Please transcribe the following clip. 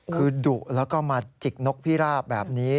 คือดุแล้วก็มาจิกนกพิราบแบบนี้